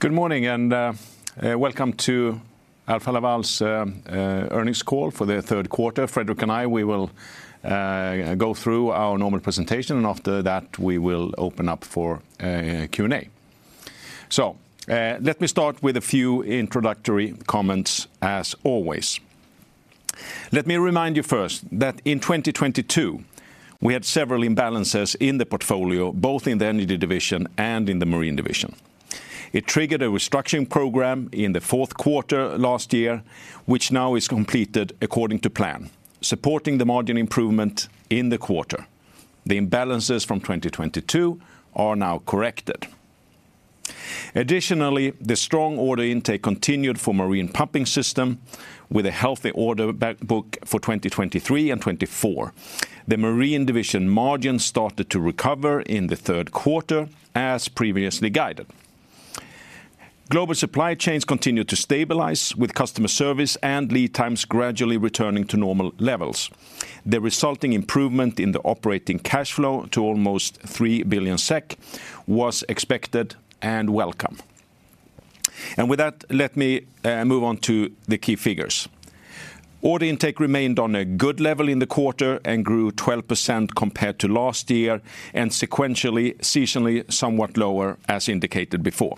Good morning, and welcome to Alfa Laval's Earnings Call for the Third Quarter. Fredrik and I, we will go through our normal presentation, and after that, we will open up for Q&A. Let me start with a few introductory comments, as always. Let me remind you first that in 2022, we had several imbalances in the portfolio, both in the energy division and in the marine division. It triggered a restructuring program in the fourth quarter last year, which now is completed according to plan, supporting the margin improvement in the quarter. The imbalances from 2022 are now corrected. Additionally, the strong order intake continued for marine pumping system, with a healthy order backlog for 2023 and 2024. The marine division margin started to recover in the third quarter, as previously guided. Global supply chains continued to stabilize, with customer service and lead times gradually returning to normal levels. The resulting improvement in the operating cash flow to almost 3 billion SEK was expected and welcome. And with that, let me move on to the key figures. Order intake remained on a good level in the quarter and grew 12% compared to last year, and sequentially, seasonally, somewhat lower, as indicated before.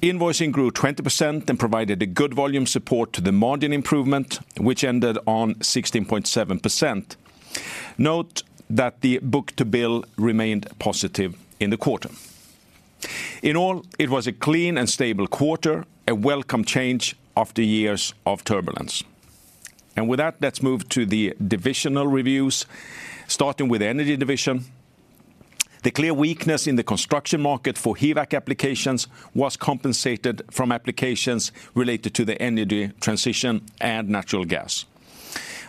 Invoicing grew 20% and provided a good volume support to the margin improvement, which ended on 16.7%. Note that the book-to-bill remained positive in the quarter. In all, it was a clean and stable quarter, a welcome change after years of turbulence. And with that, let's move to the divisional reviews, starting with the Energy Division. The clear weakness in the construction market for HVAC applications was compensated from applications related to the energy transition and natural gas.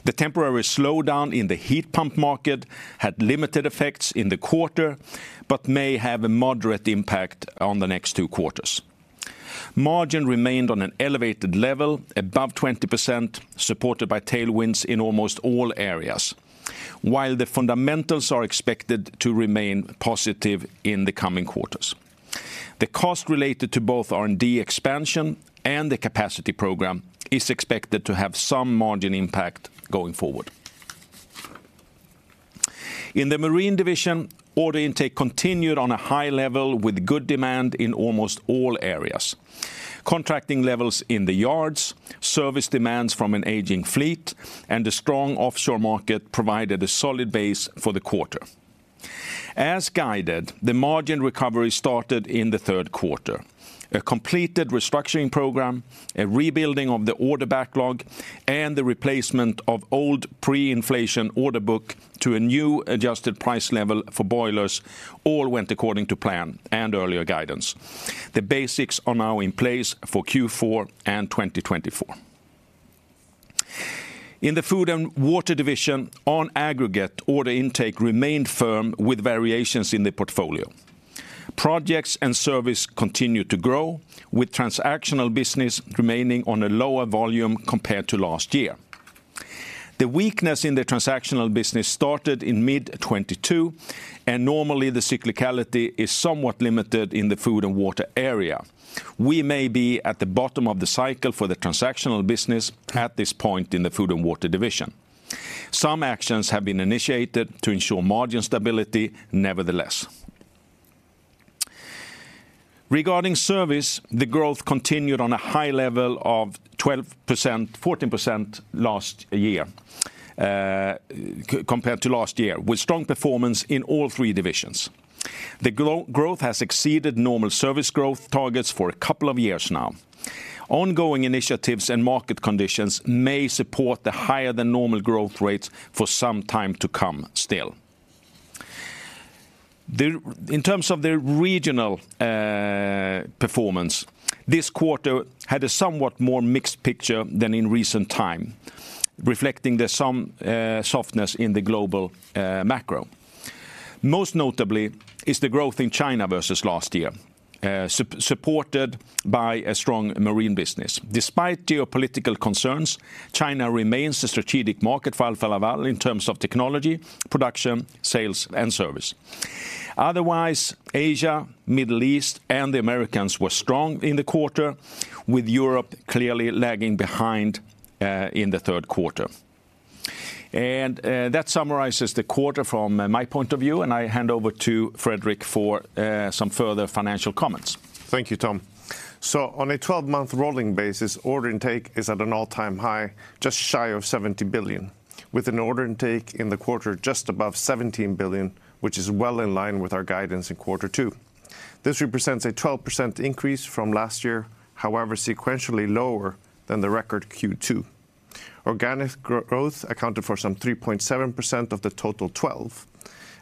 The temporary slowdown in the heat pump market had limited effects in the quarter, but may have a moderate impact on the next two quarters. Margin remained on an elevated level, above 20%, supported by tailwinds in almost all areas, while the fundamentals are expected to remain positive in the coming quarters. The cost related to both R&D expansion and the capacity program is expected to have some margin impact going forward. In the marine division, order intake continued on a high level with good demand in almost all areas. Contracting levels in the yards, service demands from an aging fleet, and the strong offshore market provided a solid base for the quarter. As guided, the margin recovery started in the third quarter. A completed restructuring program, a rebuilding of the order backlog, and the replacement of old pre-inflation order book to a new adjusted price level for boilers all went according to plan and earlier guidance. The basics are now in place for Q4 and 2024. In the food and water division, on aggregate, order intake remained firm with variations in the portfolio. Projects and service continued to grow, with transactional business remaining on a lower volume compared to last year. The weakness in the transactional business started in mid-2022, and normally, the cyclicality is somewhat limited in the food and water area. We may be at the bottom of the cycle for the transactional business at this point in the food and water division. Some actions have been initiated to ensure margin stability, nevertheless. Regarding service, the growth continued on a high level of 12%, 14% last year, compared to last year, with strong performance in all three divisions. The growth has exceeded normal service growth targets for a couple of years now. Ongoing initiatives and market conditions may support the higher-than-normal growth rates for some time to come, still. In terms of the regional performance, this quarter had a somewhat more mixed picture than in recent time, reflecting some softness in the global macro. Most notably is the growth in China versus last year, supported by a strong marine business. Despite geopolitical concerns, China remains a strategic market for Alfa Laval in terms of technology, production, sales, and service. Otherwise, Asia, Middle East, and the Americas were strong in the quarter, with Europe clearly lagging behind in the third quarter. That summarizes the quarter from my point of view, and I hand over to Fredrik for some further financial comments. Thank you, Tom. So on a twelve-month rolling basis, order intake is at an all-time high, just shy of 70 billion, with an order intake in the quarter just above 17 billion, which is well in line with our guidance in quarter two. This represents a 12% increase from last year, however, sequentially lower than the record Q2. Organic growth accounted for some 3.7% of the total 12.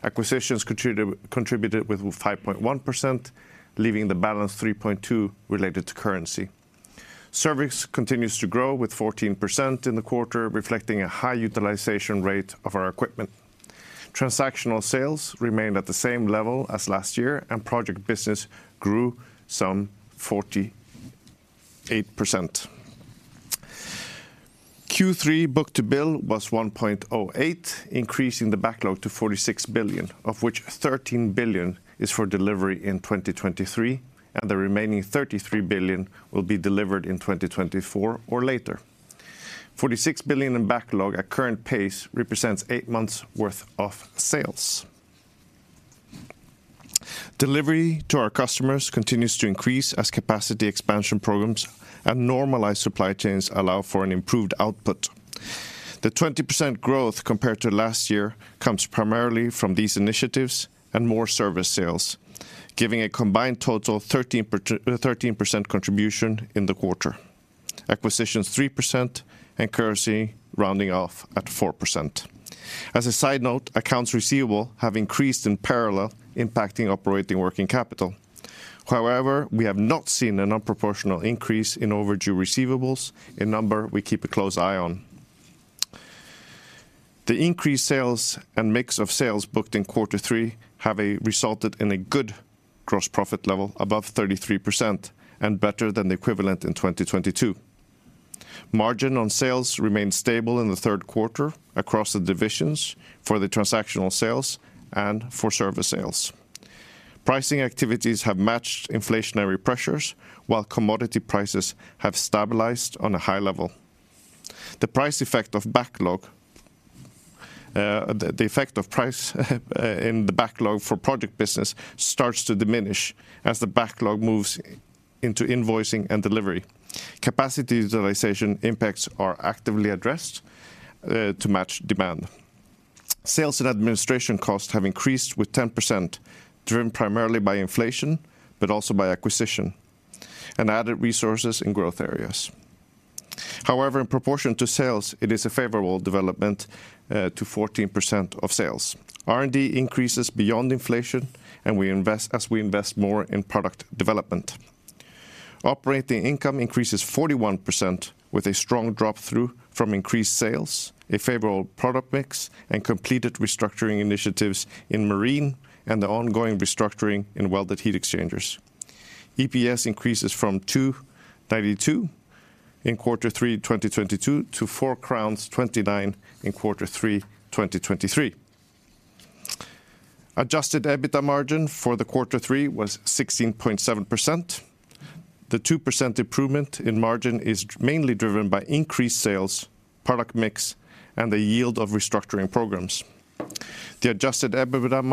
Acquisitions contributed with 5.1%, leaving the balance 3.2 related to currency. Service continues to grow, with 14% in the quarter, reflecting a high utilization rate of our equipment. Transactional sales remained at the same level as last year, and project business grew some 48%.... Q3 book-to-bill was 1.08, increasing the backlog to 46 billion, of which 13 billion is for delivery in 2023, and the remaining 33 billion will be delivered in 2024 or later. 46 billion in backlog at current pace represents 8 months' worth of sales. Delivery to our customers continues to increase as capacity expansion programs and normalized supply chains allow for an improved output. The 20% growth compared to last year comes primarily from these initiatives and more service sales, giving a combined total of 13%, 13% contribution in the quarter. Acquisitions, 3%, and currency rounding off at 4%. As a side note, accounts receivable have increased in parallel, impacting operating working capital. However, we have not seen an unproportional increase in overdue receivables, a number we keep a close eye on. The increased sales and mix of sales booked in quarter three have resulted in a good gross profit level above 33% and better than the equivalent in 2022. Margin on sales remained stable in the third quarter across the divisions for the transactional sales and for service sales. Pricing activities have matched inflationary pressures, while commodity prices have stabilized on a high level. The price effect of backlog, the effect of price in the backlog for project business starts to diminish as the backlog moves into invoicing and delivery. Capacity utilization impacts are actively addressed to match demand. Sales and administration costs have increased with 10%, driven primarily by inflation, but also by acquisition and added resources in growth areas. However, in proportion to sales, it is a favorable development to 14% of sales. R&D increases beyond inflation, and we invest more in product development. Operating income increases 41% with a strong drop-through from increased sales, a favorable product mix, and completed restructuring initiatives in marine, and the ongoing restructuring in welded heat exchangers. EPS increases from 2.92 SEK in Q3 2022 to 4.29 crowns in Q3 2023. Adjusted EBITDA margin for Q3 was 16.7%. The 2% improvement in margin is mainly driven by increased sales, product mix, and the yield of restructuring programs. The adjusted EBITDA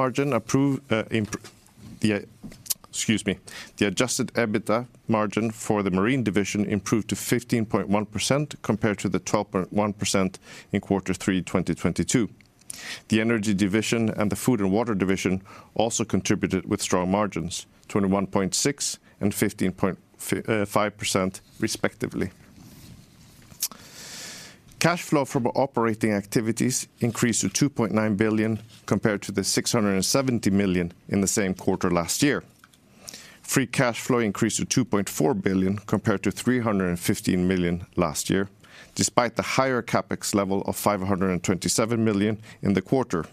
margin for the marine division improved to 15.1%, compared to the 12.1% in Q3 2022. The energy division and the food and water division also contributed with strong margins, 21.6% and 15.5%, respectively. Cash flow from operating activities increased to 2.9 billion, compared to 670 million in the same quarter last year. Free cash flow increased to 2.4 billion, compared to 315 million last year, despite the higher CapEx level of 527 million in the quarter.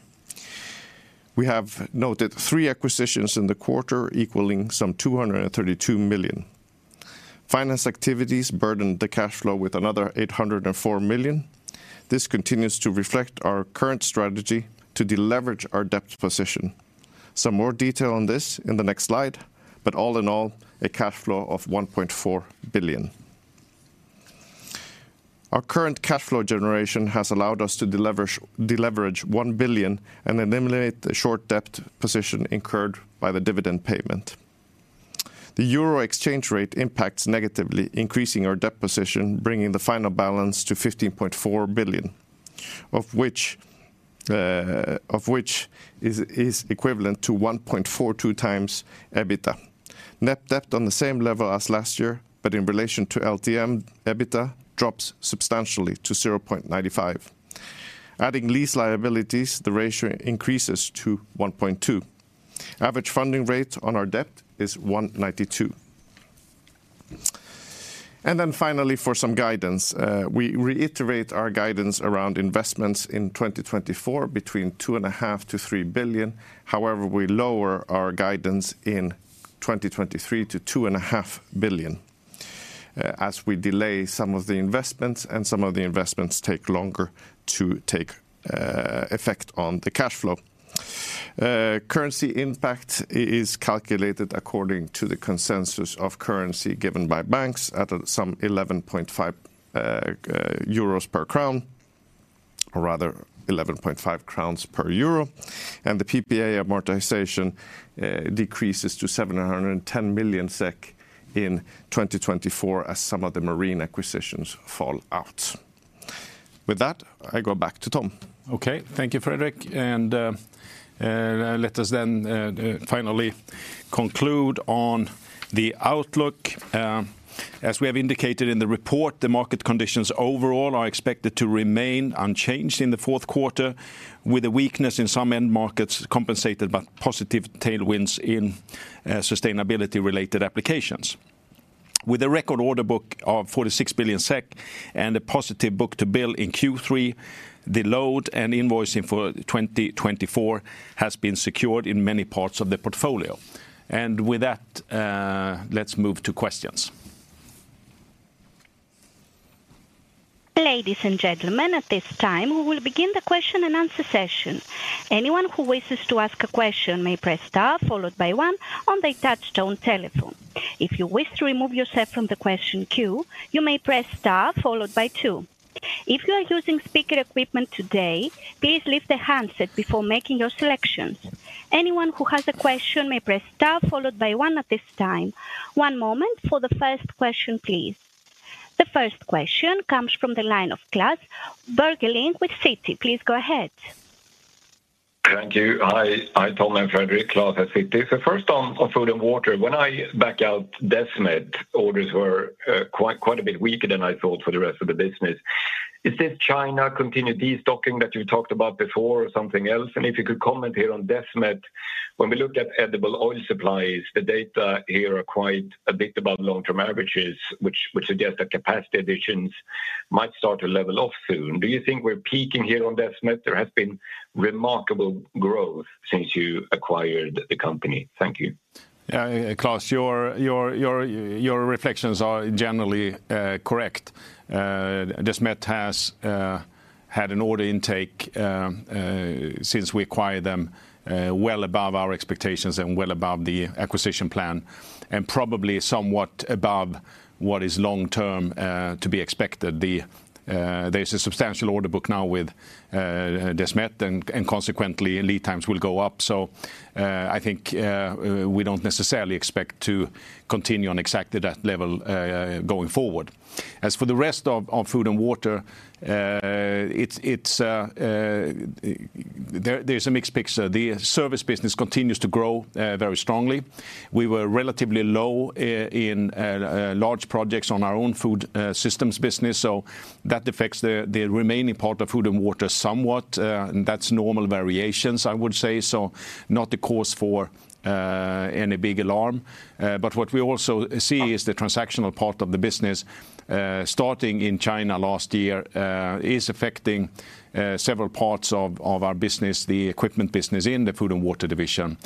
We have noted three acquisitions in the quarter, equaling some 232 million. Finance activities burdened the cash flow with another 804 million. This continues to reflect our current strategy to deleverage our debt position. Some more detail on this in the next slide, but all in all, a cash flow of 1.4 billion. Our current cash flow generation has allowed us to deleverage 1 billion and eliminate the short debt position incurred by the dividend payment. The euro exchange rate impacts negatively, increasing our debt position, bringing the final balance to 15.4 billion, of which is equivalent to 1.42 times EBITDA. Net debt on the same level as last year, but in relation to LTM EBITDA drops substantially to 0.95. Adding lease liabilities, the ratio increases to 1.2. Average funding rate on our debt is 1.92. And then finally, for some guidance, we reiterate our guidance around investments in 2024, between 2.5 billion and 3 billion. However, we lower our guidance in 2023 to 2.5 billion, as we delay some of the investments, and some of the investments take longer to take effect on the cash flow. Currency impact is calculated according to the consensus of currency given by banks at some 11.5 euros per crown, or rather 11.5 crowns per euro, and the PPA amortization decreases to 710 million SEK in 2024 as some of the marine acquisitions fall out. With that, I go back to Tom. Okay. Thank you, Fredrik, and, let us then, finally conclude on the outlook. As we have indicated in the report, the market conditions overall are expected to remain unchanged in the fourth quarter, with a weakness in some end markets compensated by positive tailwinds in, sustainability-related applications. With a record order book of 46 billion SEK and a positive book-to-bill in Q3, the load and invoicing for 2024 has been secured in many parts of the portfolio. And with that, let's move to questions. Ladies and gentlemen, at this time, we will begin the question and answer session. Anyone who wishes to ask a question may press star, followed by one on the touchtone telephone. If you wish to remove yourself from the question queue, you may press star, followed by two. If you are using speaker equipment today, please leave the handset before making your selections. Anyone who has a question may press star, followed by one at this time. One moment for the first question, please. The first question comes from the line of Klas Bergelind with Citi. Please go ahead. Thank you. Hi, hi, Tom and Fredrik. Klas at Citi. So first on food and water, when I back out Desmet, orders were quite a bit weaker than I thought for the rest of the business. Is this China continued destocking that you talked about before or something else? And if you could comment here on Desmet, when we look at edible oil supplies, the data here are quite a bit above long-term averages, which suggest that capacity additions might start to level off soon. Do you think we're peaking here on Desmet? There has been remarkable growth since you acquired the company. Thank you. Klas, your reflections are generally correct. Desmet has had an order intake since we acquired them well above our expectations and well above the acquisition plan, and probably somewhat above what is long-term to be expected. There's a substantial order book now with Desmet, and consequently, lead times will go up. So, I think we don't necessarily expect to continue on exactly that level going forward. As for the rest of food and water, it's a mixed picture. The service business continues to grow very strongly. We were relatively low in large projects on our own food systems business, so that affects the remaining part of food and water somewhat, and that's normal variations, I would say. So not a cause for any big alarm. But what we also see is the transactional part of the business, starting in China last year, is affecting several parts of our business, the equipment business in the Food and Water Division.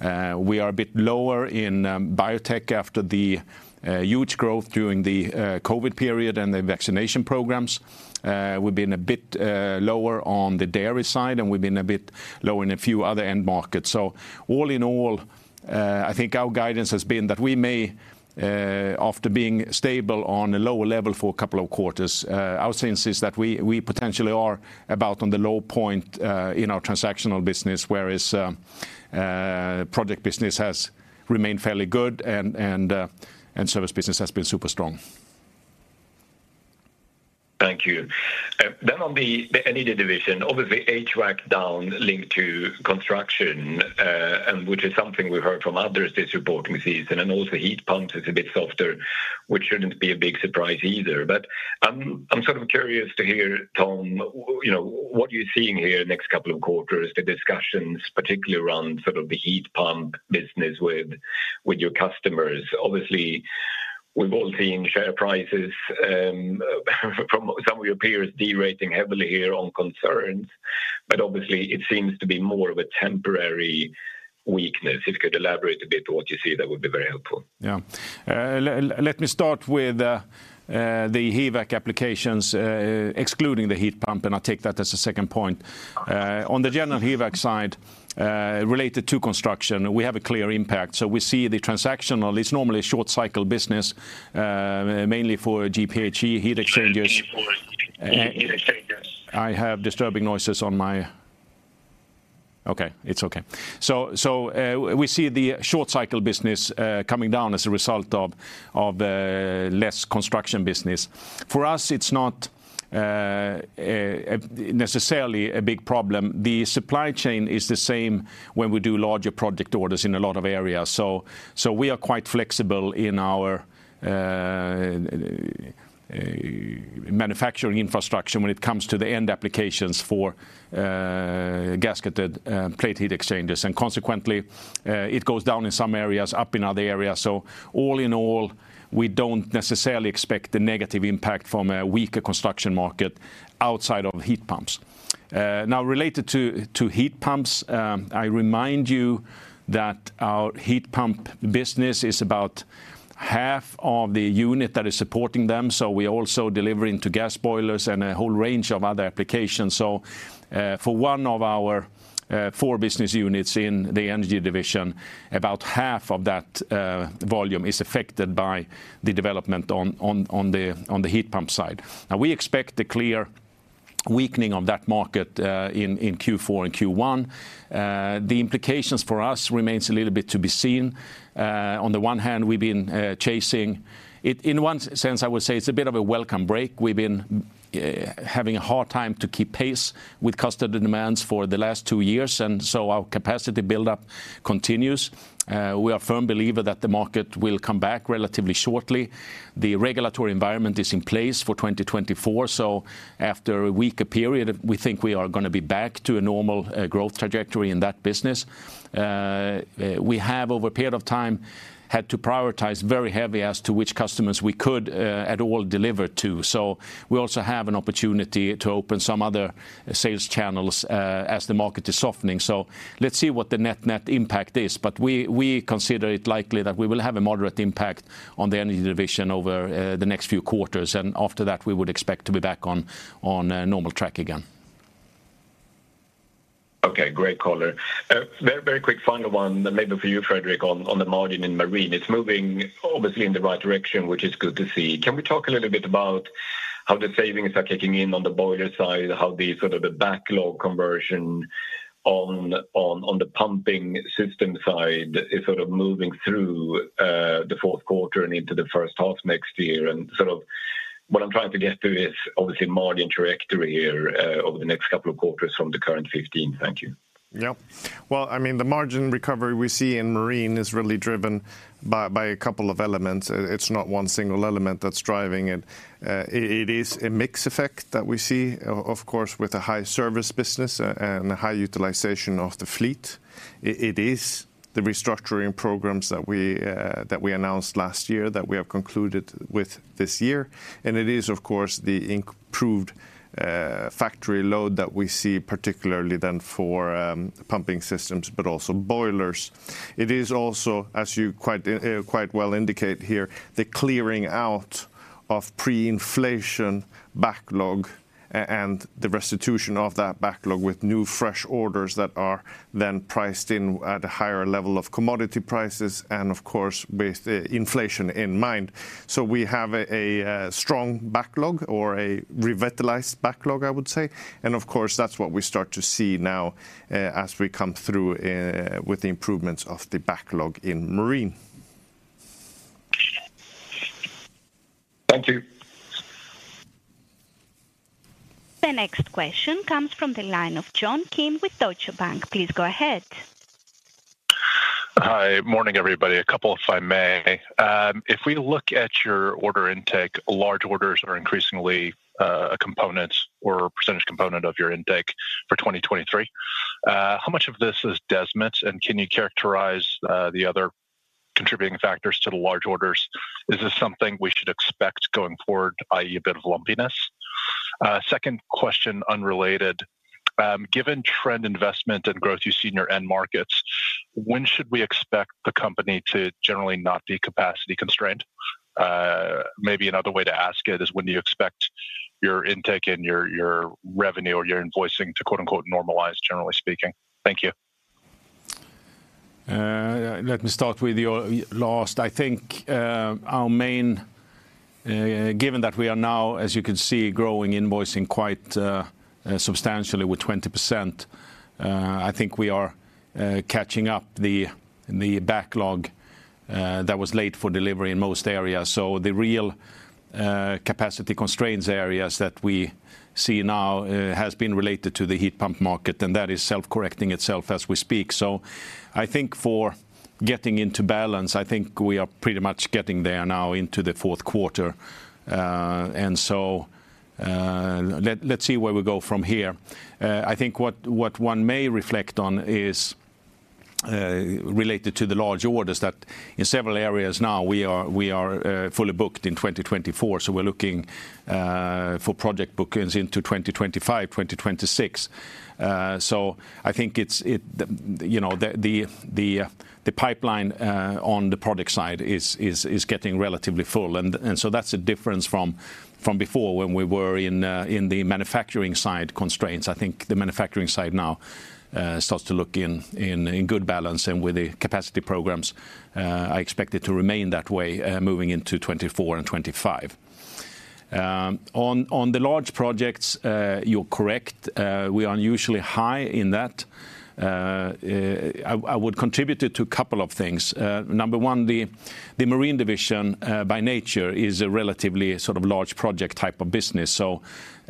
We are a bit lower in biotech after the huge growth during the COVID period and the vaccination programs. We've been a bit lower on the dairy side, and we've been a bit lower in a few other end markets. So all in all, I think our guidance has been that we may, after being stable on a lower level for a couple of quarters, our sense is that we potentially are about on the low point in our transactional business, whereas project business has remained fairly good and service business has been super strong. Thank you. Then on the energy division, obviously, HVAC down linked to construction, and which is something we've heard from others this reporting season, and also heat pump is a bit softer, which shouldn't be a big surprise either. But I'm sort of curious to hear, Tom, you know, what are you seeing here the next couple of quarters, the discussions, particularly around sort of the heat pump business with your customers? Obviously, we've all seen share prices from some of your peers derating heavily here on concerns, but obviously it seems to be more of a temporary weakness. If you could elaborate a bit on what you see, that would be very helpful. Yeah. Let me start with the HVAC applications, excluding the heat pump, and I'll take that as a second point. Okay. On the general HVAC side, related to construction, we have a clear impact. So we see the transactional; it's normally a short-cycle business, mainly for GPHE heat exchangers. So, we see the short cycle business coming down as a result of less construction business. For us, it's not necessarily a big problem. The supply chain is the same when we do larger project orders in a lot of areas. So, we are quite flexible in our manufacturing infrastructure when it comes to the end applications for Gasketed Plate Heat Exchangers. And consequently, it goes down in some areas, up in other areas. So all in all, we don't necessarily expect a negative impact from a weaker construction market outside of heat pumps. Now, related to heat pumps, I remind you that our heat pump business is about half of the unit that is supporting them, so we're also delivering to gas boilers and a whole range of other applications. So, for one of our four business units in the Energy Division, about half of that volume is affected by the development on the heat pump side. Now, we expect a clear weakening of that market in Q4 and Q1. The implications for us remains a little bit to be seen. On the one hand, we've been chasing. In one sense, I would say it's a bit of a welcome break. We've been having a hard time to keep pace with customer demands for the last two years, and so our capacity buildup continues. We are a firm believer that the market will come back relatively shortly. The regulatory environment is in place for 2024, so after a weaker period, we think we are gonna be back to a normal, growth trajectory in that business. We have, over a period of time, had to prioritize very heavily as to which customers we could, at all deliver to. So we also have an opportunity to open some other sales channels, as the market is softening. So let's see what the net, net impact is, but we, we consider it likely that we will have a moderate impact on the energy division over, the next few quarters, and after that, we would expect to be back on, on, normal track again. Okay, great caller. Very, very quick final one, maybe for you, Fredrik, on, on the margin in marine. It's moving obviously in the right direction, which is good to see. Can we talk a little bit about how the savings are kicking in on the boiler side? How the sort of the backlog conversion on, on, on the pumping system side is sort of moving through, the fourth quarter and into the first half next year? And sort of what I'm trying to get to is obviously margin trajectory here, over the next couple of quarters from the current 15. Thank you. Yep. Well, I mean, the margin recovery we see in marine is really driven by a couple of elements. It's not one single element that's driving it. It is a mix effect that we see, of course, with a high service business and a high utilization of the fleet. It is the restructuring programs that we announced last year, that we have concluded with this year, and it is, of course, the improved factory load that we see, particularly then for pumping systems, but also boilers. It is also, as you quite well indicate here, the clearing out of pre-inflation backlog and the restitution of that backlog with new, fresh orders that are then priced in at a higher level of commodity prices and of course, with inflation in mind. So we have a strong backlog or a revitalized backlog, I would say, and of course, that's what we start to see now as we come through with the improvements of the backlog in marine. Thank you. The next question comes from the line of John Kim with Deutsche Bank. Please go ahead. Hi. Morning, everybody. A couple, if I may. If we look at your order intake, large orders are increasingly a component or a percentage component of your intake for 2023. How much of this is Desmet, and can you characterize the other contributing factors to the large orders? Is this something we should expect going forward, i.e., a bit of lumpiness? Second question, unrelated: Given trend investment and growth you see in your end markets, when should we expect the company to generally not be capacity constrained? Maybe another way to ask it is: When do you expect your intake and your revenue or your invoicing to, quote, unquote, normalize, generally speaking? Thank you. Let me start with your last. I think, our main... Given that we are now, as you can see, growing invoicing quite substantially with 20%, I think we are catching up the, the backlog that was late for delivery in most areas. So the real capacity constraints areas that we see now has been related to the heat pump market, and that is self-correcting itself as we speak. So I think for getting into balance, I think we are pretty much getting there now into the fourth quarter. And so, let's see where we go from here. I think what one may reflect on is related to the large orders, that in several areas now, we are fully booked in 2024, so we're looking for project bookings into 2025, 2026. So I think it's, you know, the pipeline on the product side is getting relatively full, and so that's a difference from before when we were in the manufacturing side constraints. I think the manufacturing side now starts to look in good balance, and with the capacity programs, I expect it to remain that way moving into 2024 and 2025. On the large projects, you're correct. I would contribute it to a couple of things. Number one, the marine division by nature is a relatively sort of large project type of business.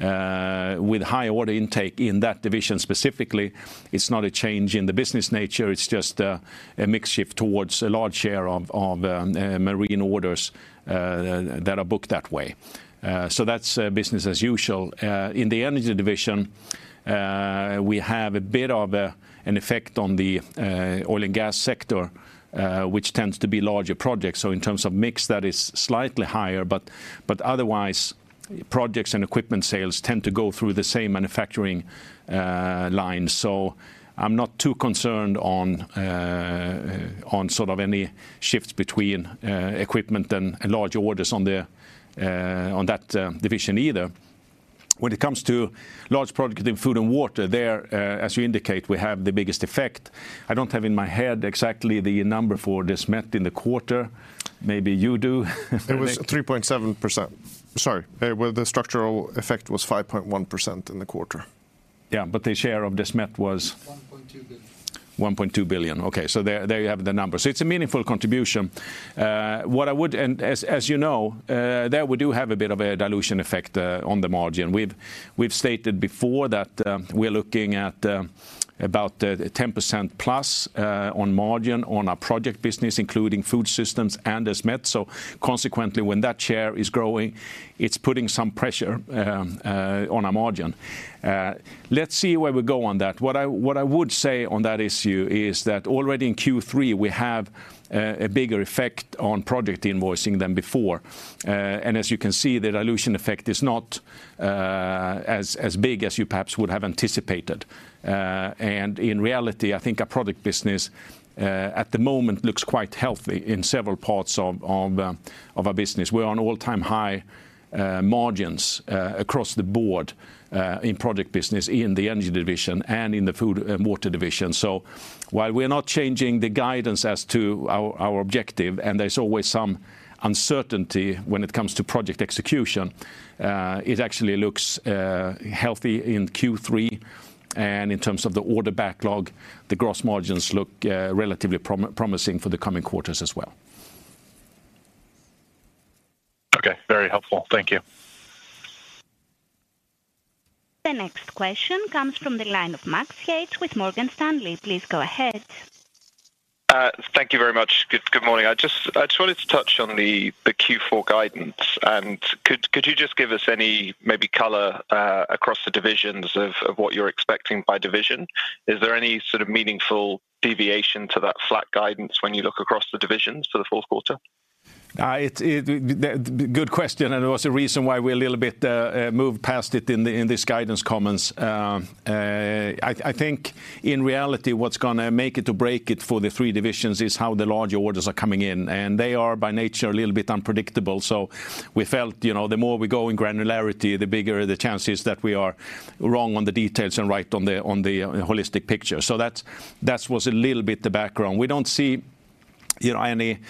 So, with high order intake in that division specifically, it's not a change in the business nature, it's just a mix shift towards a large share of marine orders that are booked that way. So that's business as usual. In the energy division, we have a bit of an effect on the oil and gas sector, which tends to be larger projects. So in terms of mix, that is slightly higher, but otherwise, projects and equipment sales tend to go through the same manufacturing line. So I'm not too concerned on sort of any shifts between equipment and large orders on that division either. When it comes to large product in food and water, there, as you indicate, we have the biggest effect. I don't have in my head exactly the number for Desmet in the quarter. Maybe you do. It was 3.7%. Sorry, well, the structural effect was 5.1% in the quarter. Yeah, but the share of Desmet was? 1.2 billion. Okay, so there, there you have the numbers. It's a meaningful contribution. What I would... As you know, there we do have a bit of a dilution effect on the margin. We've, we've stated before that we're looking at about 10%+ on margin on our project business, including food systems and Desmet. So consequently, when that share is growing, it's putting some pressure on our margin. Let's see where we go on that. What I, what I would say on that issue is that already in Q3, we have a bigger effect on project invoicing than before. And as you can see, the dilution effect is not as, as big as you perhaps would have anticipated. And in reality, I think our product business at the moment looks quite healthy in several parts of our business. We're on all-time high margins across the board in project business, in the energy division, and in the food and water division. So while we're not changing the guidance as to our objective, and there's always some uncertainty when it comes to project execution, it actually looks healthy in Q3. And in terms of the order backlog, the gross margins look relatively promising for the coming quarters as well.... Okay, very helpful. Thank you. The next question comes from the line of Max Yates with Morgan Stanley. Please go ahead. Thank you very much. Good morning. I just wanted to touch on the Q4 guidance, and could you just give us any maybe color across the divisions of what you're expecting by division? Is there any sort of meaningful deviation to that flat guidance when you look across the divisions for the fourth quarter? It's a good question, and there was a reason why we're a little bit moved past it in the, in this guidance comments. I think in reality, what's gonna make it to break it for the three divisions is how the large orders are coming in, and they are, by nature, a little bit unpredictable. So we felt, you know, the more we go in granularity, the bigger the chances that we are wrong on the details and right on the, on the, holistic picture. So that's, that's what's a little bit the background. We don't see, you know, any...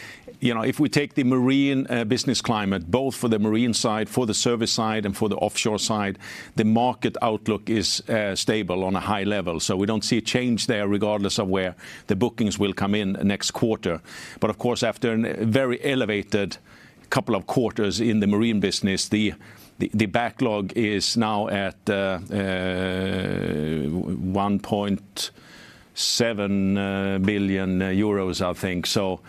You know, if we take the marine business climate, both for the marine side, for the service side, and for the offshore side, the market outlook is stable on a high level. So we don't see a change there, regardless of where the bookings will come in next quarter. But of course, after a very elevated couple of quarters in the marine business, the backlog is now at 1.7 billion euros, I think. So,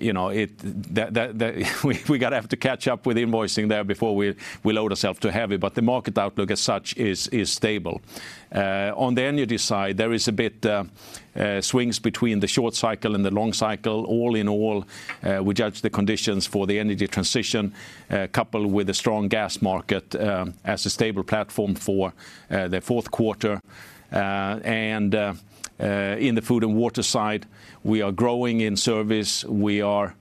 you know, we gotta have to catch up with invoicing there before we load ourselves too heavy, but the market outlook as such is stable. On the energy side, there is a bit swings between the short cycle and the long cycle. All in all, we judge the conditions for the energy transition coupled with a strong gas market as a stable platform for the fourth quarter. And in the food and water side, we are growing in service. We are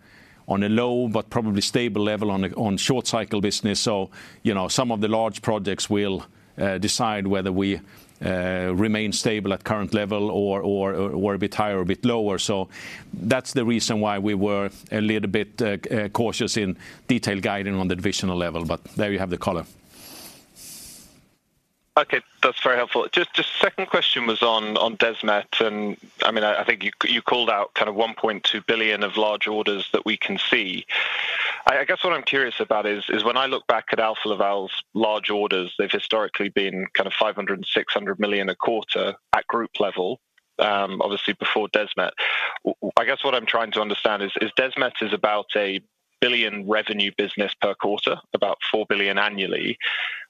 on a low but probably stable level on the short cycle business, so, you know, some of the large projects will decide whether we remain stable at current level or a bit higher or a bit lower. So that's the reason why we were a little bit cautious in detail guiding on the divisional level, but there you have the color. Okay, that's very helpful. Just second question was on Desmet, and I mean, I think you called out kind of 1.2 billion of large orders that we can see. I guess what I'm curious about is when I look back at Alfa Laval's large orders, they've historically been kind of 500-600 million a quarter at group level, obviously before Desmet. I guess what I'm trying to understand is Desmet is about 1 billion revenue business per quarter, about 4 billion annually.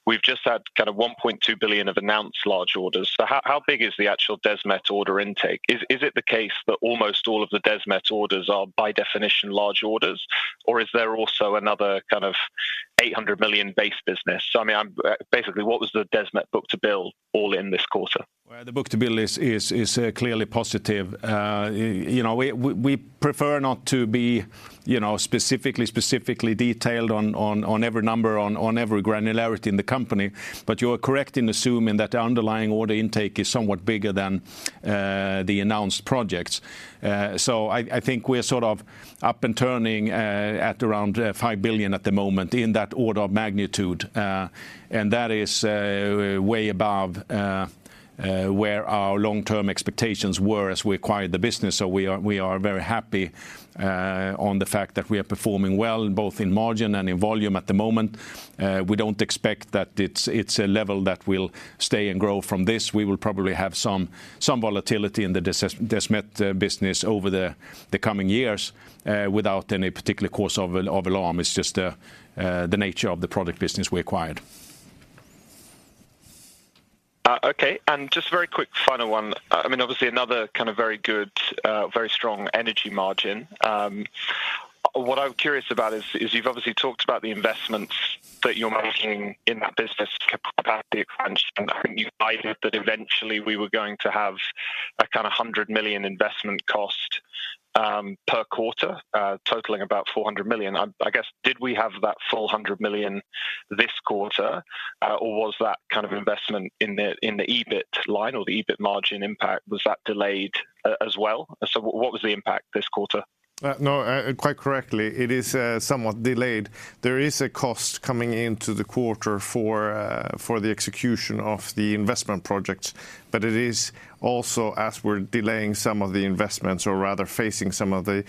We've just had kind of 1.2 billion of announced large orders. So how big is the actual Desmet order intake? Is it the case that almost all of the Desmet orders are, by definition, large orders, or is there also another kind of 800 million base business? So I mean, basically, what was the Desmet book-to-bill in this quarter? Well, the book to bill is clearly positive. You know, we prefer not to be, you know, specifically detailed on every number, on every granularity in the company. But you are correct in assuming that the underlying order intake is somewhat bigger than the announced projects. So I think we're sort of up and running at around 5 billion at the moment, in that order of magnitude. And that is way above where our long-term expectations were as we acquired the business. So we are very happy on the fact that we are performing well, both in margin and in volume at the moment. We don't expect that it's a level that will stay and grow from this. We will probably have some volatility in the Desmet business over the coming years without any particular cause of alarm. It's just the nature of the product business we acquired. Okay, and just a very quick final one. I mean, obviously another kind of very good, very strong energy margin. What I'm curious about is, you've obviously talked about the investments that you're making in that business capacity crunch, and I think you've identified that eventually we were going to have a kind of 100 million investment cost, per quarter, totaling about 400 million. I guess, did we have that full 100 million this quarter, or was that kind of investment in the, in the EBIT line or the EBIT margin impact, was that delayed, as well? So what was the impact this quarter? No, quite correctly, it is somewhat delayed. There is a cost coming into the quarter for the execution of the investment projects, but it is also as we're delaying some of the investments or rather facing some of the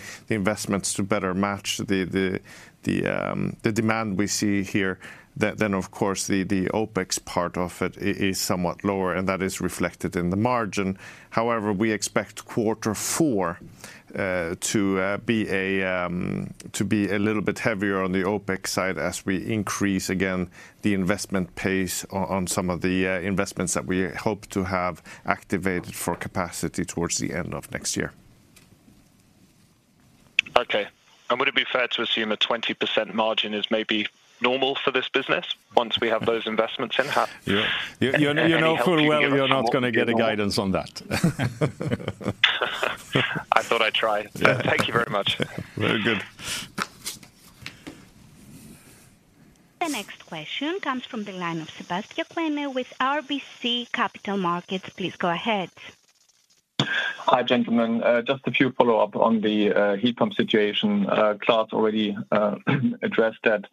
demand we see here. Then, of course, the OpEx part of it is somewhat lower, and that is reflected in the margin. However, we expect quarter four to be a little bit heavier on the OpEx side as we increase again the investment pace on some of the investments that we hope to have activated for capacity towards the end of next year. Okay. Would it be fair to assume a 20% margin is maybe normal for this business once we have those investments in half? Yeah. You know full well you're not gonna get a guidance on that. I thought I'd try. Yeah. Thank you very much. Very good. The next question comes from the line of Sebastian Kuenne with RBC Capital Markets. Please go ahead. Hi, gentlemen. Just a few follow-up on the heat pump situation. Klas already addressed that.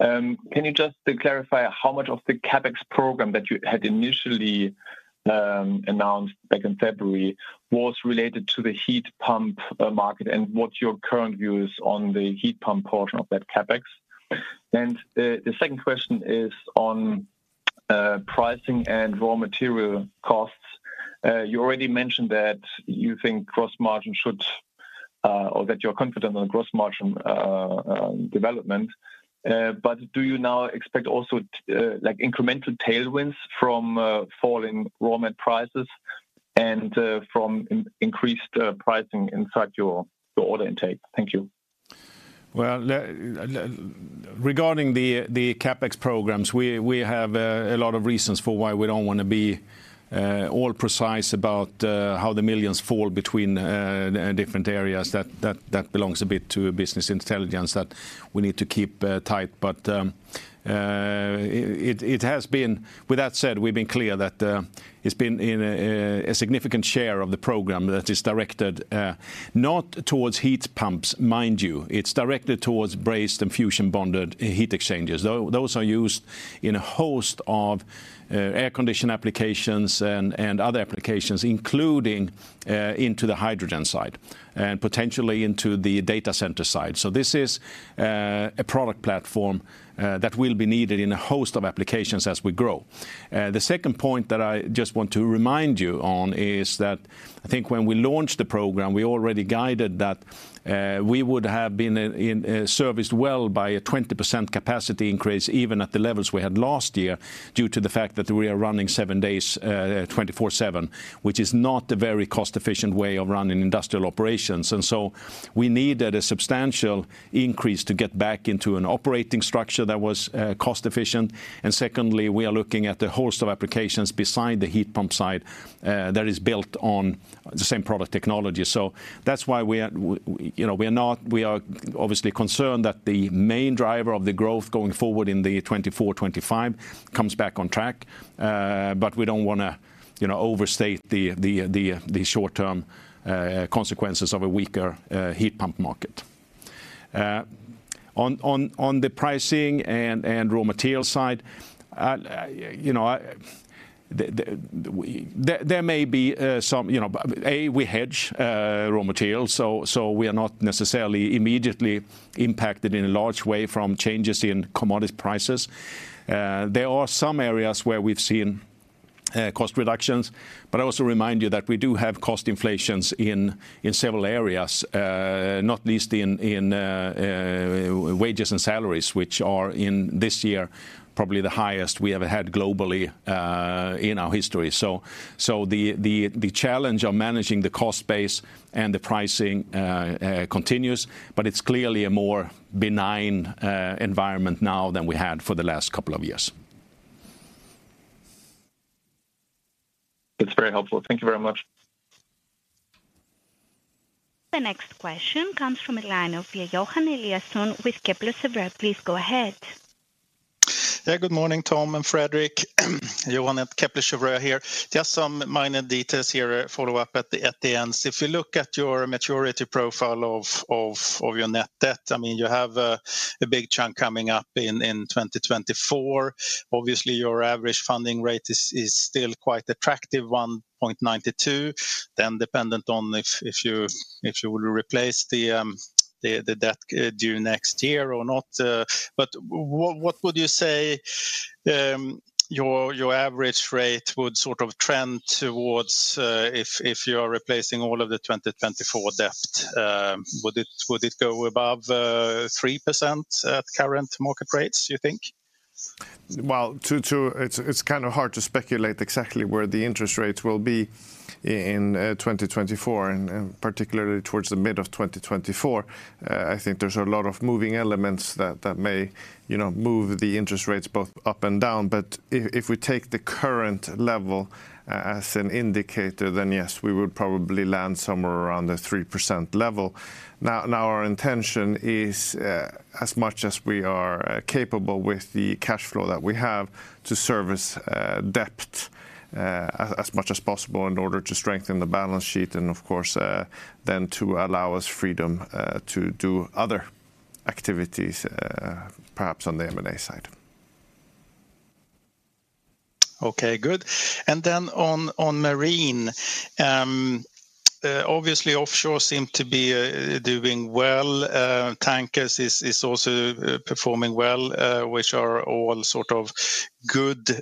Can you just clarify how much of the CapEx program that you had initially-... announced back in February was related to the heat pump market, and what your current view is on the heat pump portion of that CapEx? And the second question is on pricing and raw material costs. You already mentioned that you think gross margin should or that you're confident on gross margin development, but do you now expect also like incremental tailwinds from falling raw mat prices and from increased pricing inside your order intake? Thank you. Well, regarding the CapEx programs, we have a lot of reasons for why we don't wanna be all precise about how the millions fall between different areas. That belongs a bit to business intelligence that we need to keep tight. But, with that said, we've been clear that it's been in a significant share of the program that is directed, not towards heat pumps, mind you, it's directed towards brazed and fusion bonded heat exchangers. Those are used in a host of air condition applications and other applications, including into the hydrogen side, and potentially into the data center side. So this is a product platform that will be needed in a host of applications as we grow. The second point that I just want to remind you on is that I think when we launched the program, we already guided that we would have been serviced well by a 20% capacity increase, even at the levels we had last year, due to the fact that we are running seven days, 24/7, which is not a very cost-efficient way of running industrial operations. And so we needed a substantial increase to get back into an operating structure that was cost efficient. And secondly, we are looking at a host of applications beside the heat pump side that is built on the same product technology. So that's why we are you know, we are not-- we are obviously concerned that the main driver of the growth going forward in the 2024, 2025 comes back on track. But we don't wanna, you know, overstate the short-term consequences of a weaker heat pump market. On the pricing and raw material side, you know, there may be some, you know, but we hedge raw materials, so we are not necessarily immediately impacted in a large way from changes in commodity prices. There are some areas where we've seen cost reductions, but I also remind you that we do have cost inflations in several areas, not least in wages and salaries, which are, in this year, probably the highest we ever had globally, in our history. So, the challenge of managing the cost base and the pricing continues, but it's clearly a more benign environment now than we had for the last couple of years. That's very helpful. Thank you very much. The next question comes from the line of Johan Eliason with Kepler Cheuvreux. Please go ahead. Yeah, good morning, Tom and Fredrik. Johan at Kepler Cheuvreux here. Just some minor details here, a follow-up at the end. If you look at your maturity profile of your net debt, I mean, you have a big chunk coming up in 2024. Obviously, your average funding rate is still quite attractive, 1.92, then dependent on if you will replace the debt due next year or not. But what would you say your average rate would sort of trend towards if you are replacing all of the 2024 debt? Would it go above 3% at current market rates, you think? Well, it's kind of hard to speculate exactly where the interest rates will be in 2024, and particularly towards the mid of 2024. I think there's a lot of moving elements that may, you know, move the interest rates both up and down. But if we take the current level as an indicator, then yes, we would probably land somewhere around the 3% level. Now, our intention is, as much as we are capable with the cash flow that we have, to service debt as much as possible in order to strengthen the balance sheet, and of course, then to allow us freedom to do other activities, perhaps on the M&A side. Okay, good. And then on marine, obviously, offshore seem to be doing well. Tankers is also performing well, which are all sort of good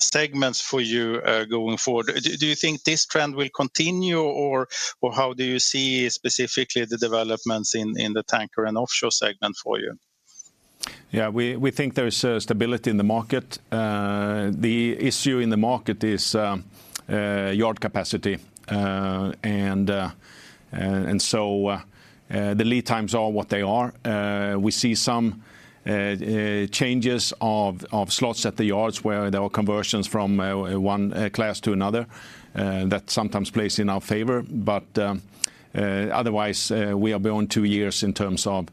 segments for you, going forward. Do you think this trend will continue, or how do you see specifically the developments in the tanker and offshore segment for you? Yeah, we think there is stability in the market. The issue in the market is yard capacity. The lead times are what they are. We see some changes of slots at the yards where there are conversions from one class to another that sometimes plays in our favor. But otherwise, we are beyond 2 years in terms of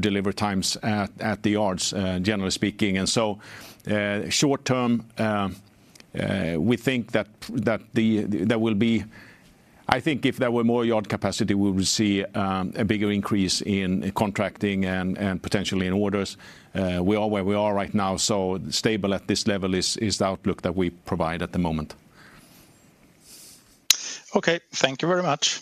delivery times at the yards, generally speaking. And so, short term, we think that I think if there were more yard capacity, we would see a bigger increase in contracting and potentially in orders. We are where we are right now, so stable at this level is the outlook that we provide at the moment. Okay, thank you very much.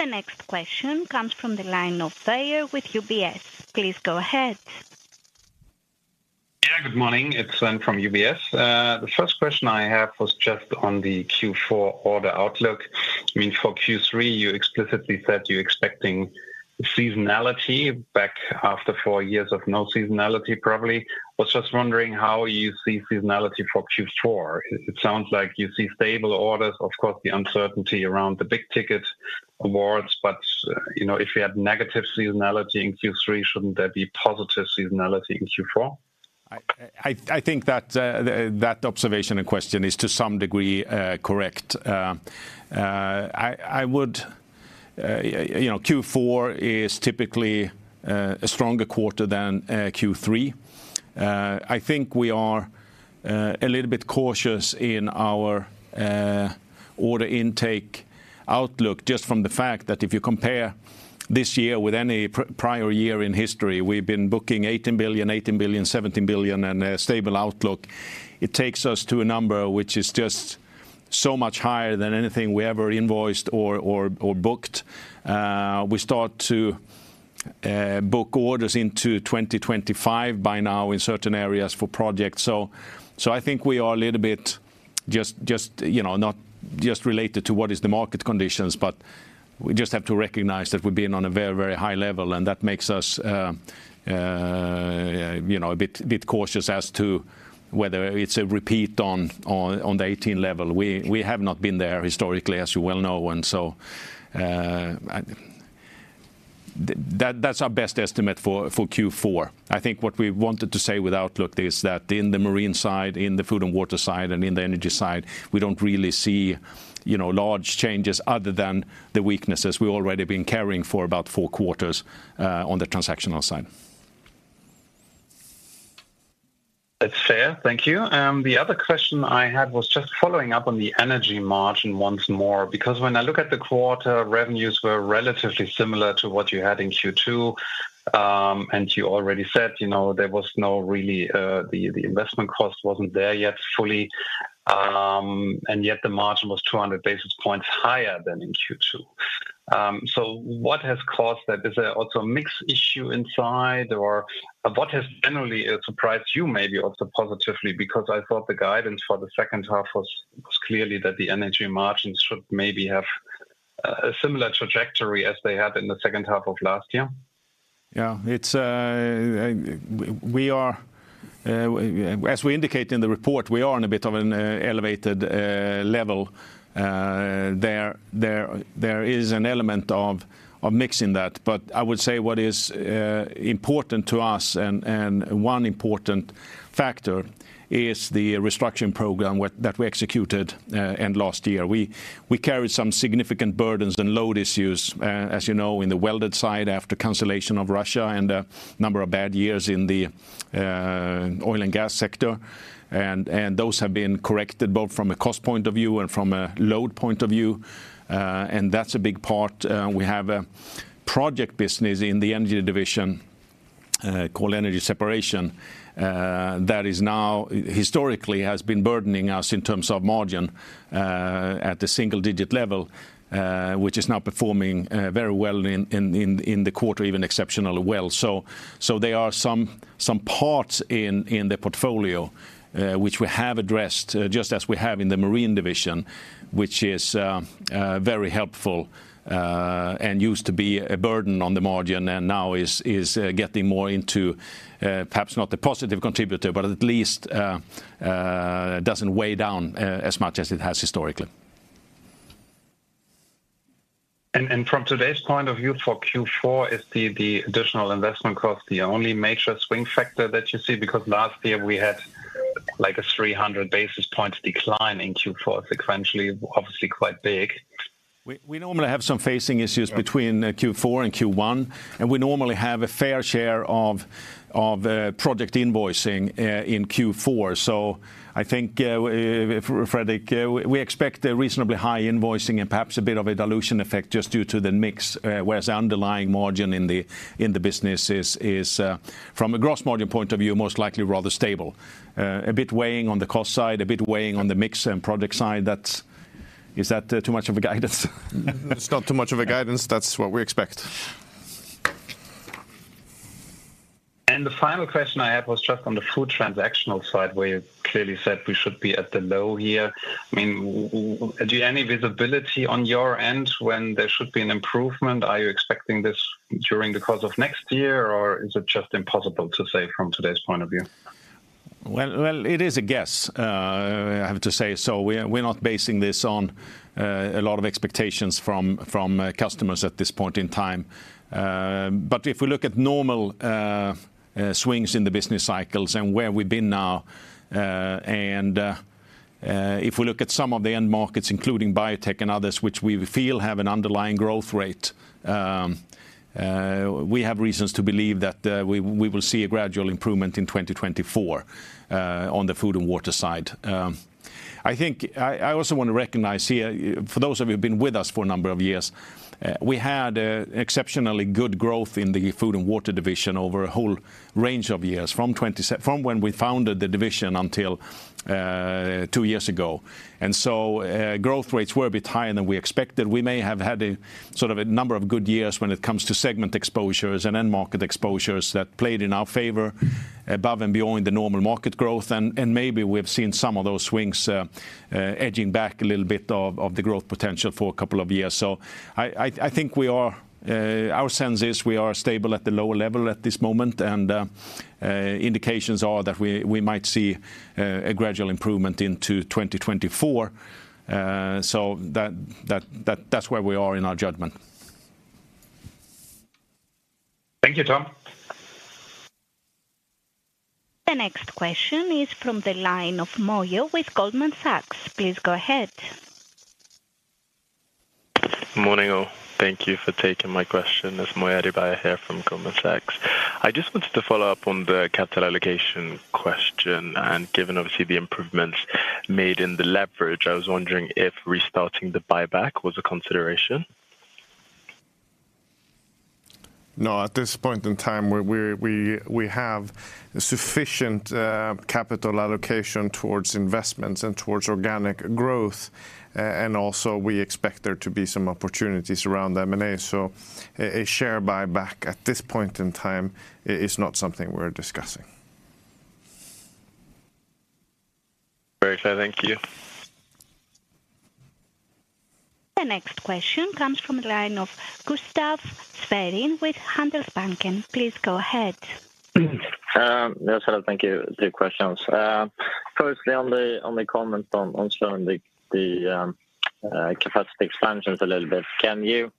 The next question comes from the line of Weier with UBS. Please go ahead. Yeah, good morning. It's Sven from UBS. The first question I have was just on the Q4 order outlook. I mean, for Q3, you explicitly said you're expecting seasonality back after four years of no seasonality, probably. Was just wondering how you see seasonality for Q4. It sounds like you see stable orders, of course, the uncertainty around the big ticket awards, but you know, if you had negative seasonality in Q3, shouldn't there be positive seasonality in Q4? I think that that observation and question is to some degree correct. I would, you know, Q4 is typically a stronger quarter than Q3. I think we are a little bit cautious in our order intake outlook, just from the fact that if you compare this year with any prior year in history, we've been booking 18 billion, 18 billion, 17 billion, and a stable outlook. It takes us to a number which is just so much higher than anything we ever invoiced or booked. We start to book orders into 2025 by now in certain areas for projects. So I think we are a little bit just, you know, not just related to what is the market conditions, but we just have to recognize that we've been on a very, very high level, and that makes us, you know, a bit cautious as to whether it's a repeat on the 18 level. We have not been there historically, as you well know, and so, that's our best estimate for Q4. I think what we wanted to say with outlook is that in the marine side, in the food and water side, and in the energy side, we don't really see, you know, large changes other than the weaknesses we've already been carrying for about four quarters on the transactional side. That's fair. Thank you. The other question I had was just following up on the energy margin once more, because when I look at the quarter, revenues were relatively similar to what you had in Q2. And you already said, you know, there was no really, the investment cost wasn't there yet, fully. And yet the margin was 200 basis points higher than in Q2. So what has caused that? Is there also a mix issue inside, or what has generally, surprised you maybe also positively? Because I thought the guidance for the second half was clearly that the energy margins should maybe have a similar trajectory as they had in the second half of last year. Yeah, it's... We are, as we indicate in the report, we are in a bit of an elevated level there. There is an element of mixing that. But I would say what is important to us, and one important factor is the restructuring program that we executed end last year. We carried some significant burdens and load issues, as you know, in the welded side after cancellation of Russia and a number of bad years in the oil and gas sector. And those have been corrected both from a cost point of view and from a load point of view, and that's a big part. We have a project business in the Energy Division called Energy Separation that is now, historically, has been burdening us in terms of margin at the single-digit level, which is now performing very well in the quarter, even exceptionally well. So, there are some parts in the portfolio which we have addressed just as we have in the Marine Division, which is very helpful and used to be a burden on the margin, and now is getting more into perhaps not a positive contributor, but at least doesn't weigh down as much as it has historically. And from today's point of view, for Q4, is the additional investment cost the only major swing factor that you see? Because last year we had like a 300 basis points decline in Q4 sequentially, obviously quite big. We normally have some phasing issues- Yeah... between Q4 and Q1, and we normally have a fair share of project invoicing in Q4. So I think, Fredrik, we expect a reasonably high invoicing and perhaps a bit of a dilution effect just due to the mix, whereas the underlying margin in the business is from a gross margin point of view most likely rather stable. A bit weighing on the cost side, a bit weighing on the mix and project side. That's- is that too much of a guidance? It's not too much of a guidance. That's what we expect. The final question I had was just on the food transactional side, where you clearly said we should be at the low here. I mean, do you have any visibility on your end when there should be an improvement? Are you expecting this during the course of next year, or is it just impossible to say from today's point of view? Well, well, it is a guess, I have to say. So we're not basing this on a lot of expectations from customers at this point in time. But if we look at normal swings in the business cycles and where we've been now, and if we look at some of the end markets, including biotech and others, which we feel have an underlying growth rate, we have reasons to believe that we will see a gradual improvement in 2024 on the food and water side. I think I also want to recognize here, for those of you who've been with us for a number of years, we had exceptionally good growth in the food and water division over a whole range of years, from when we founded the division until two years ago. And so, growth rates were a bit higher than we expected. We may have had sort of a number of good years when it comes to segment exposures and end market exposures that played in our favor, above and beyond the normal market growth. And maybe we've seen some of those swings edging back a little bit of the growth potential for a couple of years. So I think we are... Our sense is we are stable at the lower level at this moment, and indications are that we might see a gradual improvement into 2024. So that's where we are in our judgment. Thank you, Tom. The next question is from the line of Moyo with Goldman Sachs. Please go ahead. Morning, all. Thank you for taking my question. It's Moyo Adebayo here from Goldman Sachs. I just wanted to follow up on the capital allocation question, and given, obviously, the improvements made in the leverage, I was wondering if restarting the buyback was a consideration? No, at this point in time, we have sufficient capital allocation towards investments and towards organic growth, and also we expect there to be some opportunities around M&A. So a share buyback at this point in time is not something we're discussing. Very clear. Thank you. The next question comes from the line of Gustaf Schwerin with Handelsbanken. Please go ahead. Yeah, so thank you. Two questions. Firstly, on the comment on showing the capacity expansions a little bit, can you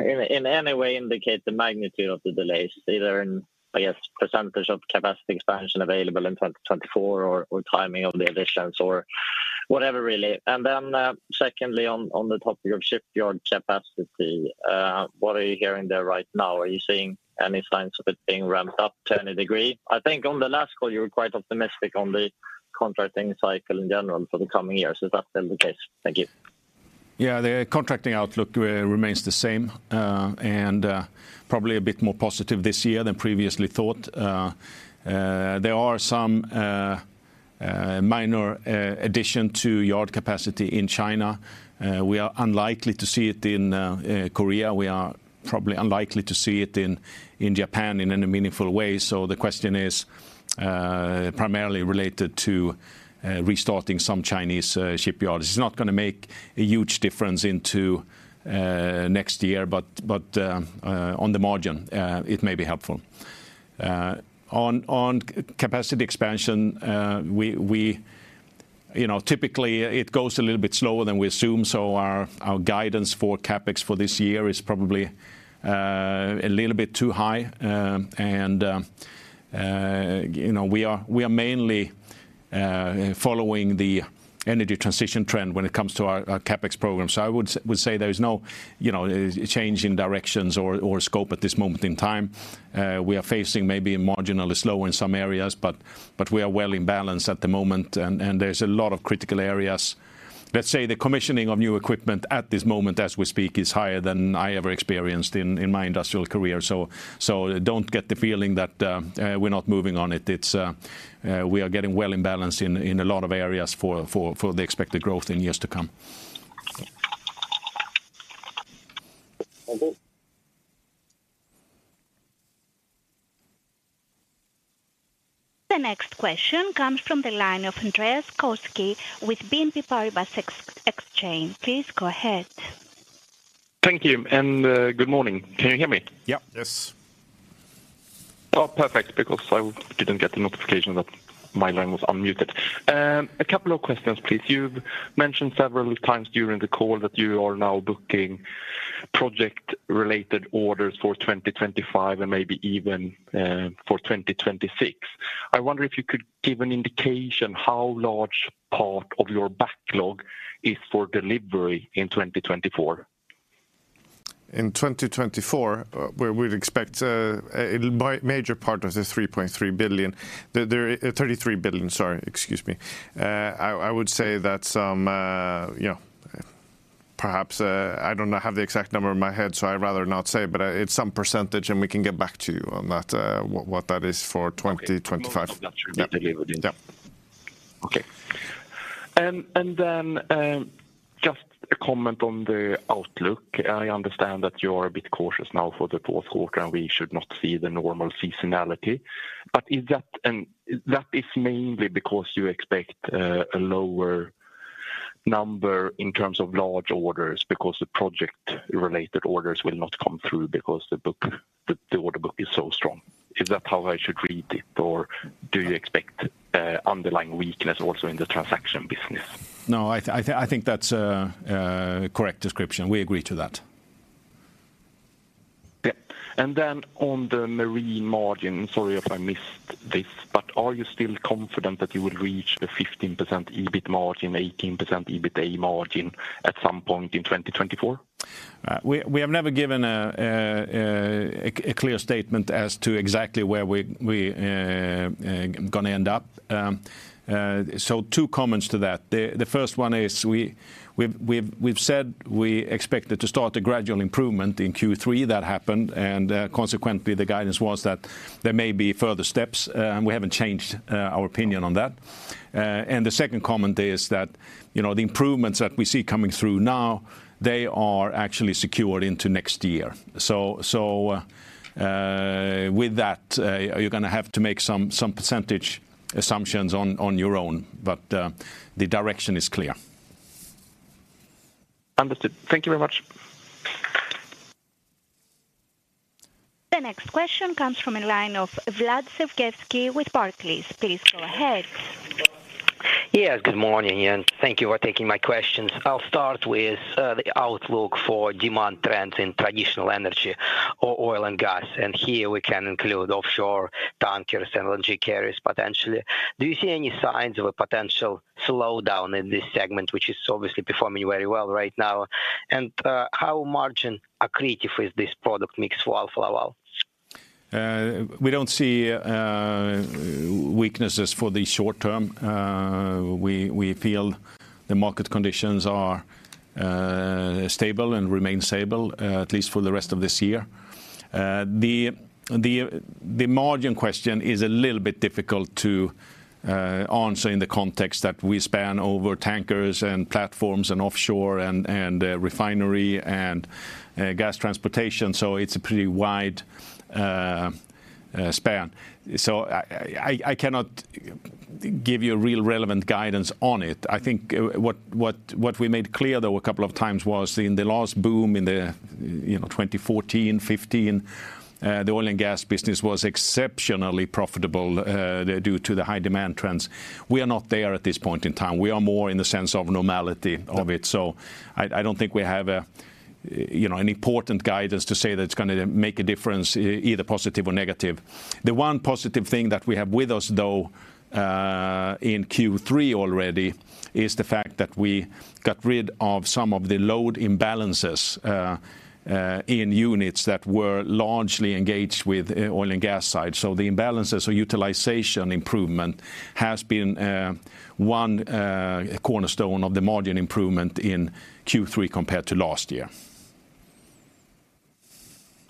in any way indicate the magnitude of the delays, either in, I guess, percentage of capacity expansion available in 2024, or timing of the additions or whatever, really? And then, secondly, on the topic of shipyard capacity, what are you hearing there right now? Are you seeing any signs of it being ramped up to any degree? I think on the last call, you were quite optimistic on the contracting cycle in general for the coming years. Is that still the case? Thank you. Yeah, the contracting outlook remains the same, and probably a bit more positive this year than previously thought. There are some minor addition to yard capacity in China. We are unlikely to see it in Korea. We are probably unlikely to see it in Japan in any meaningful way. So the question is primarily related to restarting some Chinese shipyards. It's not gonna make a huge difference into next year, but on the margin it may be helpful. On capacity expansion, we... You know, typically, it goes a little bit slower than we assume, so our guidance for CapEx for this year is probably a little bit too high. You know, we are mainly following the energy transition trend when it comes to our CapEx program. So I would say there is no, you know, change in directions or scope at this moment in time. We are facing maybe marginally slower in some areas, but we are well in balance at the moment, and there's a lot of critical areas. Let's say the commissioning of new equipment at this moment, as we speak, is higher than I ever experienced in my industrial career, so don't get the feeling that we're not moving on it. It's we are getting well in balance in a lot of areas for the expected growth in years to come. Thank you. The next question comes from the line of Andreas Koski with BNP Paribas Exane. Please go ahead. Thank you, and good morning. Can you hear me? Yep. Yes. Oh, perfect, because I didn't get the notification that my line was unmuted. A couple of questions, please. You've mentioned several times during the call that you are now booking project-related orders for 2025 and maybe even for 2026. I wonder if you could give an indication how large part of your backlog is for delivery in 2024? In 2024, where we'd expect, a major part of the 3.3 billion, the, the, thirty-three billion, sorry, excuse me. I would say that some, you know, perhaps, I don't have the exact number in my head, so I'd rather not say, but, it's some percentage, and we can get back to you on that, what that is for 2025. Okay. Most of that should be delivered in- Yep. Yep. Okay. And then, just a comment on the outlook. I understand that you are a bit cautious now for the fourth quarter, and we should not see the normal seasonality. But is that, and that is mainly because you expect a lower number in terms of large orders, because the project-related orders will not come through because the order book is so strong. Is that how I should read it, or do you expect underlying weakness also in the transaction business? No, I think that's a correct description. We agree to that. Yeah, and then on the marine margin, sorry if I missed this, but are you still confident that you will reach the 15% EBIT margin, 18% EBITA margin at some point in 2024? We have never given a clear statement as to exactly where we gonna end up. So two comments to that. The first one is we've said we expected to start a gradual improvement in Q3. That happened, and consequently, the guidance was that there may be further steps, and we haven't changed our opinion on that. And the second comment is that, you know, the improvements that we see coming through now, they are actually secured into next year. So with that, you're gonna have to make some percentage assumptions on your own, but the direction is clear. Understood. Thank you very much. The next question comes from a line of Vlad Sergievskiy with Barclays. Please go ahead. Yes, good morning, and thank you for taking my questions. I'll start with the outlook for demand trends in traditional energy or oil and gas, and here we can include offshore tankers and LNG carriers, potentially. Do you see any signs of a potential slowdown in this segment, which is obviously performing very well right now? And how margin accretive is this product mix for Alfa Laval? We don't see weaknesses for the short term. We feel the market conditions are stable and remain stable, at least for the rest of this year. The margin question is a little bit difficult to answer in the context that we span over tankers and platforms and offshore and refinery and gas transportation, so it's a pretty wide span. So I cannot give you a real relevant guidance on it. I think what we made clear, though, a couple of times was in the last boom in the, you know, 2014, 2015, the oil and gas business was exceptionally profitable due to the high demand trends. We are not there at this point in time. We are more in the sense of normality of it. So I don't think we have, you know, an important guidance to say that it's gonna make a difference, either positive or negative. The one positive thing that we have with us, though, in Q3 already, is the fact that we got rid of some of the load imbalances in units that were largely engaged with oil and gas side. So the imbalances or utilization improvement has been one cornerstone of the margin improvement in Q3 compared to last year.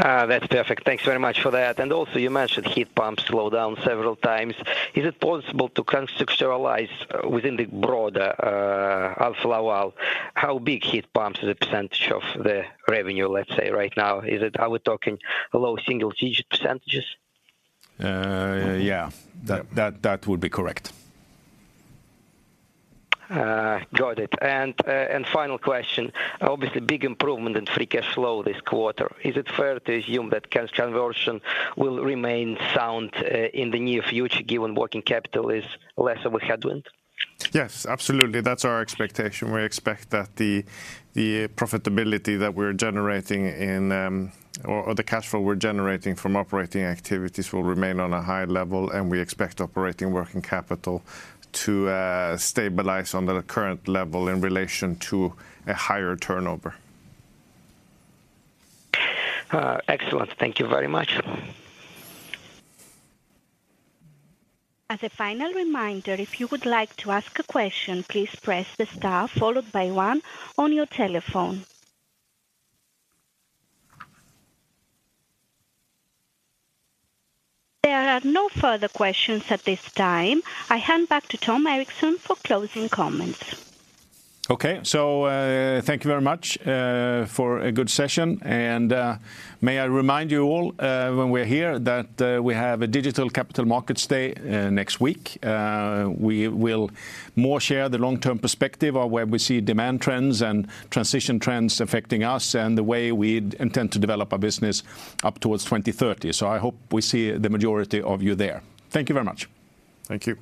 That's perfect. Thanks very much for that. And also, you mentioned heat pumps slow down several times. Is it possible to contextualize within the broader Alfa Laval how big heat pumps as a percentage of the revenue, let's say, right now? Is it... Are we talking low single-digit %? Yeah, that would be correct. Got it. Final question, obviously, big improvement in free cash flow this quarter. Is it fair to assume that cash conversion will remain sound in the near future, given working capital is less of a headwind? Yes, absolutely. That's our expectation. We expect that the profitability that we're generating in or the cash flow we're generating from operating activities will remain on a high level, and we expect operating working capital to stabilize on the current level in relation to a higher turnover. Excellent. Thank you very much. As a final reminder, if you would like to ask a question, please press the star followed by one on your telephone. There are no further questions at this time. I hand back to Tom Erixon for closing comments. Okay, so, thank you very much for a good session, and may I remind you all, when we're here, that we have a digital capital markets day next week. We will more share the long-term perspective on where we see demand trends and transition trends affecting us and the way we'd intend to develop our business up towards 2030. So I hope we see the majority of you there. Thank you very much. Thank you.